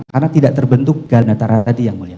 karena tidak terbentuk galangan dan dataran tadi yang mulia